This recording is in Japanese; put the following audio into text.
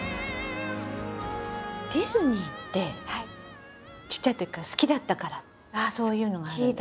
ディズニーってちっちゃいときから好きだったからそういうのはあるんですか？